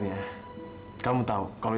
saya yang sketch nya l gg